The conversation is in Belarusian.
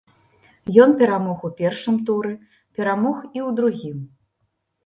Ён перамог у першым туры, перамог і ў другім.